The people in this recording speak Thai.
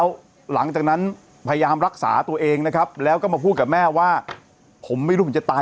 ยังไงยังไงยังไงยังไงยังไงยังไงยังไงยังไง